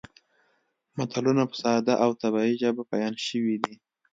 متلونه په ساده او طبیعي ژبه بیان شوي دي